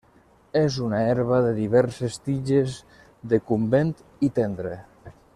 És una herba de diverses tiges, decumbent i tendra.